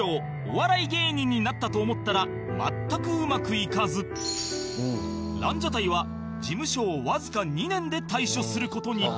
お笑い芸人になったと思ったら全くうまくいかずランジャタイは事務所をわずか２年で退所する事に